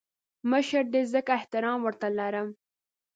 مشر دی ځکه احترام ورته لرم